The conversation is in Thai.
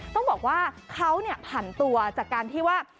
ต้องบอกว่าเขาผันตัวจากการที่ว่า